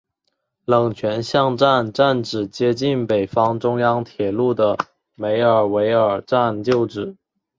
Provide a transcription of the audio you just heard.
冷泉巷站站址接近北方中央铁路的梅尔维尔站旧址。